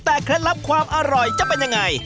แต่เคล็ดลับความอร่อยจะเป็นยังไง